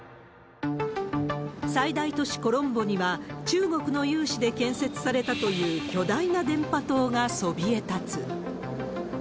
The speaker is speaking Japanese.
最大都市コロンボには、中国の融資で建設されたという巨大な電波塔がそびえ立つ。